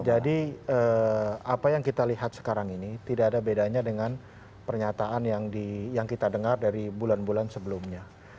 jadi apa yang kita lihat sekarang ini tidak ada bedanya dengan pernyataan yang kita dengar dari bulan bulan sebelumnya